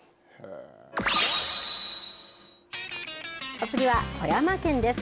お次は富山県です。